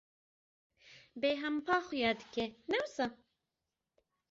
Bêhempa xuya dike, ne wisa?